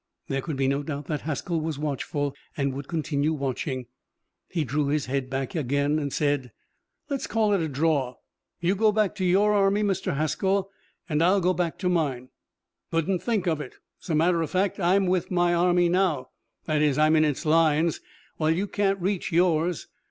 There could be no doubt that Haskell was watchful and would continue watching. He drew his head back again and said: "Let's call it a draw. You go back to your army, Mr. Haskell, and I'll go back to mine." "Couldn't think of it. As a matter of fact, I'm with my army now; that is, I'm in its lines, while you can't reach yours.